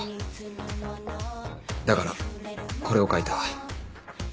だからこれを書いた。